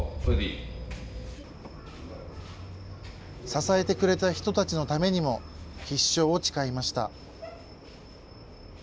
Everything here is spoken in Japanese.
支えてくれた人たちのためにも必勝を誓いました。